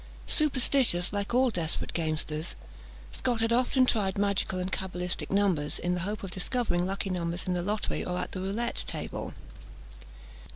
Superstitious like all desperate gamesters, Scot had often tried magical and cabalistic numbers, in the hope of discovering lucky numbers in the lottery or at the roulette tables.